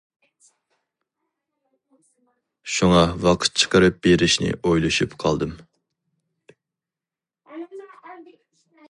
شۇڭا ۋاقىت چىقىرىپ بېرىشنى ئويلىشىپ قالدىم.